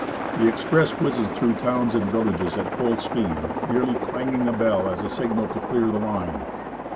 The express whizzes through towns and villages at full speed, merely clanging a bell as a signal to clear the line.